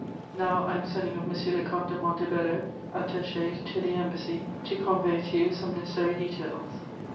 Now I am sending off M. le Comte de Montebello, attaché to the Embassy, to convey to you some necessary details.